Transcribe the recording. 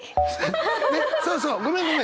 フッねっそうそうごめんごめん！